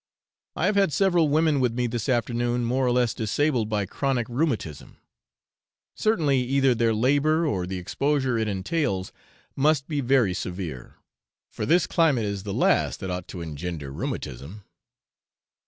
I have had several women with me this afternoon more or less disabled by chronic rheumatism. Certainly, either their labour or the exposure it entails must be very severe, for this climate is the last that ought to engender rheumatism.